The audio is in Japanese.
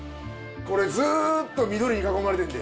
これずっと緑に囲まれてんで。